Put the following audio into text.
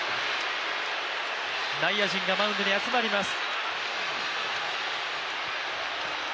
内野陣がマウンドに集まります。